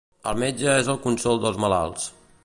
El metge és el consol dels malalts.